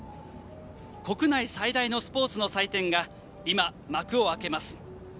国内最大のスポーツの祭典が今、幕を開けます。